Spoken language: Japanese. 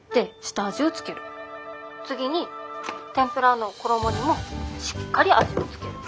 ☎次にてんぷらーの衣にもしっかり味を付ける。